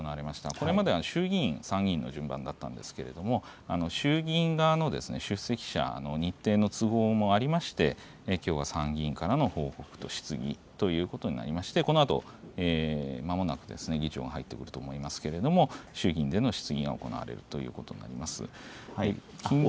これまでは衆議院、参議院の順番だったんですけれども、衆議院側の出席者の日程の都合もありまして、きょうは参議院からの報告と質疑ということになりまして、このあとまもなく議長が入ってくると思いますけれども、衆議院での質疑が行われるということになります。